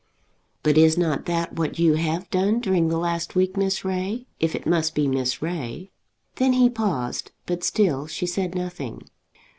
"But is not that what you have done during the last week, Miss Ray; if it must be Miss Ray?" Then he paused, but still she said nothing.